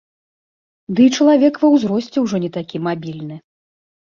Ды і чалавек ва ўзросце ўжо не такі мабільны.